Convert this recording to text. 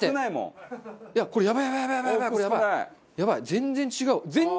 全然違う！